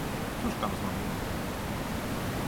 "cóż tam znowu?"